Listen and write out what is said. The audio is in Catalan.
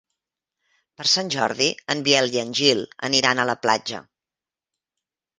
Per Sant Jordi en Biel i en Gil aniran a la platja.